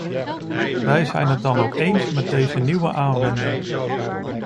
Wij zijn het dan ook eens met deze nieuwe aanwending.